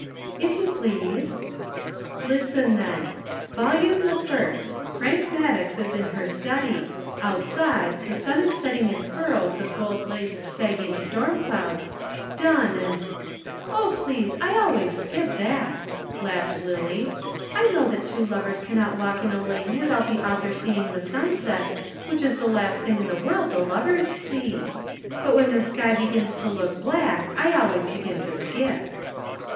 "If you please." "Listen, then. Volume the First: Frank Maddox is in her study. Outside the sun is setting in furrows of gold laced sagging storm clouds, dun and " "Oh, please, I always skip that," laughed Lillie. "I know that two lovers cannot walk in a lane without the author seeing the sunset, which is the last thing in the world the lovers see. But when the sky begins to look black, I always begin to skip."